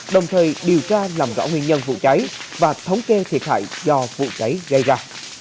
đồng thời điều tra làm rõ nguyên nhân vụ cháy và thống kê thiệt hại do vụ cháy gây ra